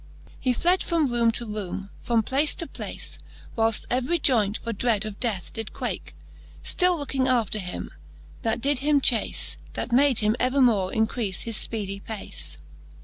He fled from roome to roome, from place to place. Why left every joy nt for dread of death did quake, Still looking after him, that did him chace ; That made him evermore increafe his fpeedie pace.